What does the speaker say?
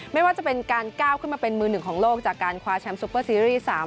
ไม่ว่าจะเป็นการก้าวขึ้นมาเป็นมือหนึ่งของโลกจากการคว้าแชมป์ซุปเปอร์ซีรีส์๓๐